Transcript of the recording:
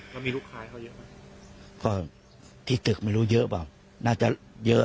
ก็มีลูกค้าเขาเยอะไหมก็ที่ตึกไม่รู้เยอะเปล่าน่าจะเยอะ